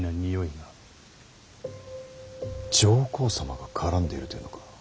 上皇様が絡んでいるというのか。